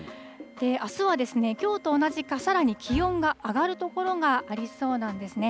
あすは、きょうと同じか、さらに気温が上がる所がありそうなんですね。